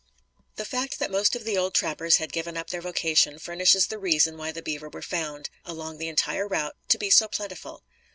The fact that most of the old trappers had given up their vocation furnishes the reason why the beaver were found, along the entire route, to be so plentiful.